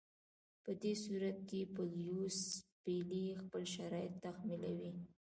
په دې صورت کې به لیویس پیلي خپل شرایط تحمیلولای.